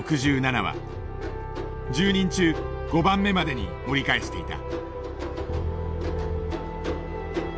１０人中５番目までに盛り返していた。